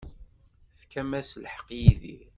Tefkam-as lḥeqq i Yidir.